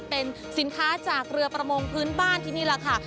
เป็นสินค้าจากเรือประมงพื้นบ้านที่นี่แหละค่ะ